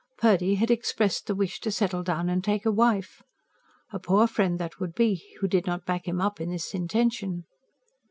Purdy had expressed the wish to settle down and take a wife. A poor friend that would be who did not back him up in this intention.